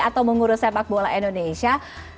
atau mengurus sepak bola indonesia